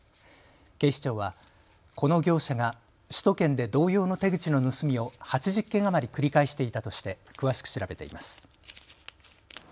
警視庁は、この業者が首都圏で同様の手口の盗みを８０件余り繰り返していたとして詳しく調べています。